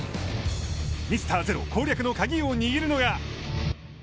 ミスターゼロ攻略の鍵を握るのが。